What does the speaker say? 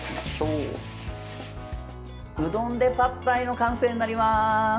うどんでパッタイの完成になります。